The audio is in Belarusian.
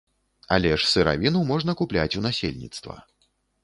Але ж сыравіну можна купляць у насельніцтва.